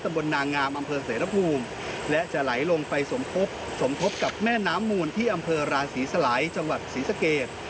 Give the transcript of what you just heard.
บนนางงามอำเภอเสรภูมิและจะไหลลงไปสมทบสมทบกับแม่น้ำมูลที่อำเภอราศีสลัยจังหวัดศรีสเกต